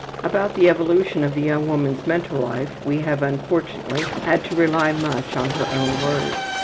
About the evolution of the young woman's mental life we have unfortunately had to rely much upon her own word.